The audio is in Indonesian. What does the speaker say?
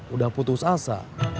udah putus asa